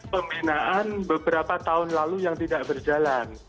pembinaan beberapa tahun lalu yang tidak berjalan